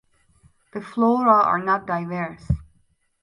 The flora are not diverse.